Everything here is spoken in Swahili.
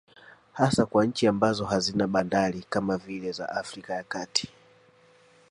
Hasa kwa nchi ambazo hazina bandari kama zile za Afrika ya kati